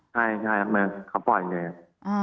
ใช่เหมือนเขาปล่อยเลยครับ